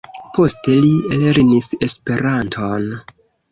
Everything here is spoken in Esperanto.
Poste li lernis Esperanton.